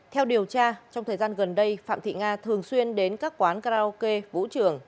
theo điều tra trong thời gian gần đây phạm thị nga thường xuyên đến các quán karaoke vũ trường